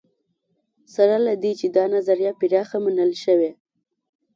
سره له دې چې دا نظریه پراخه منل شوې.